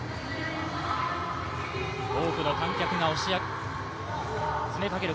多くの観客が詰めかける